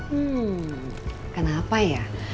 hmm kenapa ya